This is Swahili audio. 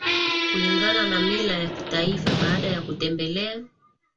Kulingana na mila ya kitaifa baada ya kutembelea